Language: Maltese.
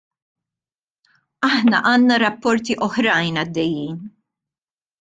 Aħna għandna rapporti oħrajn għaddejjin.